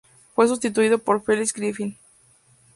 Fue sustituido por Felix Griffin.